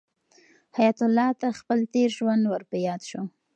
حیات الله ته خپل تېر ژوند ور په یاد شو.